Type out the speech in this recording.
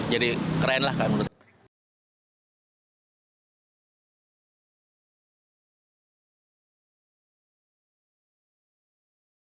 jadi keren lah kan menurut saya